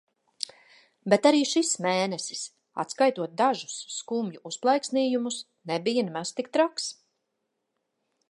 Bet arī šis mēnesis, atskaitot dažus skumju uzplaiksnījumus, nebija nemaz tik traks.